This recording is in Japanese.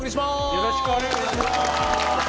よろしくお願いします！